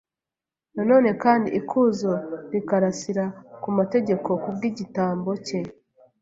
na none kandi ikuzo rikarasira ku mategeko kubw’igitambo cye.